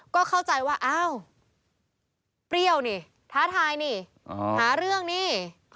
ก็เข้าใจว่าอ้าวเปรี้ยวนี่ท้าทายนี่หาเรื่องนี่